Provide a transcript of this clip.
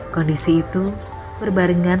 kondisi itu berbarengan